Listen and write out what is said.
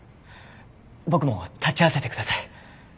僕も立ち会わせてください。